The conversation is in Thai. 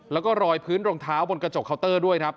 แล้วก็รอยพื้นรองเท้าบนกระจกเคาน์เตอร์ด้วยครับ